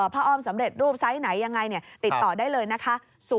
อ้อมสำเร็จรูปไซส์ไหนยังไงติดต่อได้เลยนะคะ